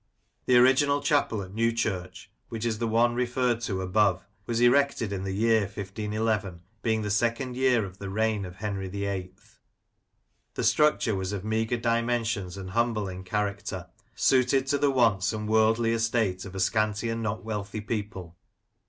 The original chapel at Newchurch, which is the one referred to above, was erected in the year 1511, being the second year of the reign of Henry VIII. The structure was of meagre dimensions and humble in character, suited to the wants ai>d worldly estate of a scanty and not wealthy people.